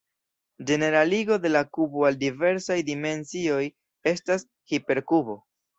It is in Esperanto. Ĝeneraligo de la kubo al diversaj dimensioj estas "hiperkubo".